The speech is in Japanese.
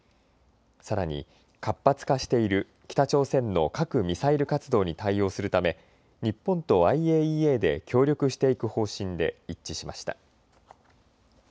さらに活発化している北朝鮮の核・ミサイル活動に対応するため日本とＩＡＥＡで協力していく方針で一致しました。